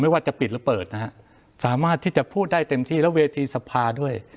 ว่าจะปิดหรือเปิดนะฮะสามารถที่จะพูดได้เต็มที่แล้วเวทีสภาด้วย